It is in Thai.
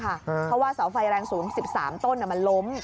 เพราะว่าเสาไฟแรงสูง๑๓ต้นมันล้ม